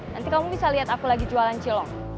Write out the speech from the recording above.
nanti kamu bisa lihat aku lagi jualan cilok